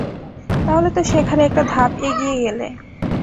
তাহলে তো শেখার একটা ধাপ এগিয়ে গেলে।